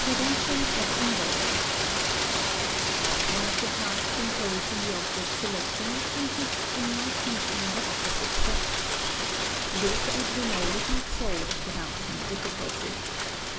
*Prevention of Inversion.* One of the tasks imposed in the object selection consists in not missing the opposite sex. This, as we know, is not solved without some difficulty.